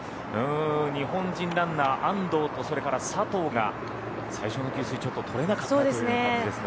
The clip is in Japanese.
日本人ランナー安藤とそれから佐藤が最初の給水、ちょっと取れなかったという感じですね。